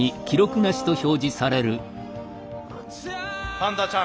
パンダちゃん